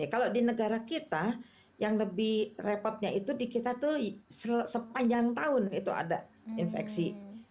kalau di negara kita yang lebih repotnya itu di kita itu sepanjang tahun itu ada infeksi